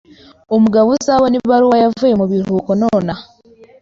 Umugabo uzabona ibaruwa yavuye mubiruhuko nonaha.